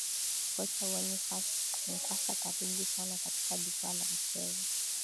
aa kocha bonifas mkwasa karibu sana katika jukwaa la michezo